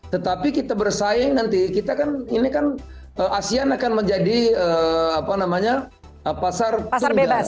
tetapi kita bersaing nanti kita kan ini kan asean akan menjadi apa namanya pasar tunggal